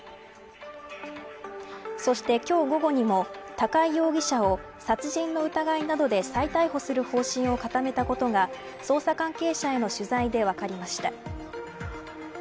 そして、今日午後にも高井容疑者を殺人の疑いなどで再逮捕する方針を固めたことが捜査関係者への取材で分かりました。